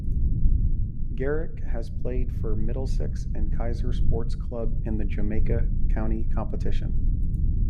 Garrick has played for Middlesex and Kaiser Sports Club in the Jamaica County Competition.